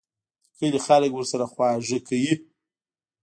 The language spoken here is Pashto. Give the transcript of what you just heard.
د کلي خلک ورسره خواږه کوي.